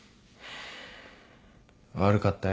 悪かったよ。